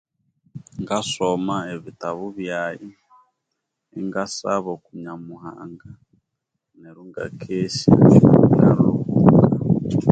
Ngasoma ebitabu byayi, ingasaba oku Nyamuhanga, neryo inga kesya.